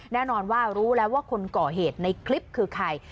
แน่นอนว่ารู้แล้วว่าคนก่อเหตุในคลิปคือใคร